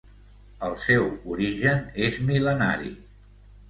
El seu origen és mil·lenari.